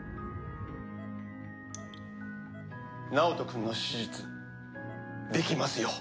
直人くんの手術できますよ。